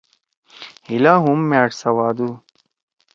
ہیِلا ہُم مأݜ سوادُو۔